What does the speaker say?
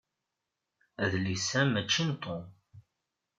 Adlis-a mačči n Tom.